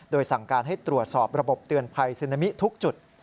โดยสั่งการให้ตรวจสอบระบบเตือนภัยซึนามิทุกจุด